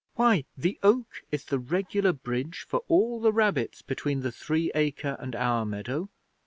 'Why, the oak is the regular bridge for all the rabbits between the Three Acre and our meadow.